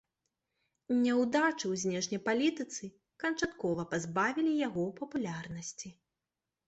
Няўдачы ў знешняй палітыцы канчаткова пазбавілі яго папулярнасці.